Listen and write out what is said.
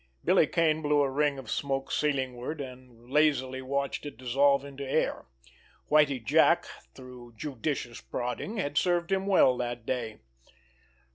Billy Kane blew a ring of smoke ceilingward, and lazily watched it dissolve into air. Whitie Jack, through judicious prodding, had served him well that day.